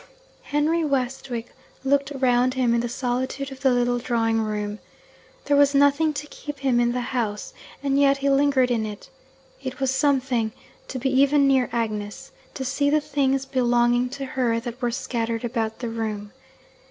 Henry Westwick looked round him in the solitude of the little drawing room. There was nothing to keep him in the house, and yet he lingered in it. It was something to be even near Agnes to see the things belonging to her that were scattered about the room.